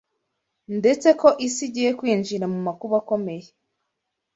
ndetse ko isi igiye kwinjira mu makuba akomeye